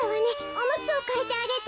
おむつをかえてあげて。